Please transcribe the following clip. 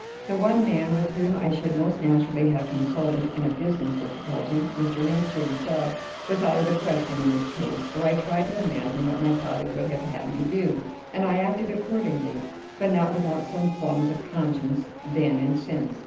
The one man with whom I should most naturally have consulted in a business difficulty Mr. Hemster himself was out of the question in this case, so I tried to imagine what my father would have had me do, and I acted accordingly, but not without some qualms of conscience then and since.